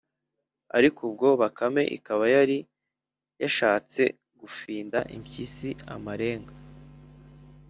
ariko ubwo bakame ikaba yari yashatse gufinda impyisi amarenga.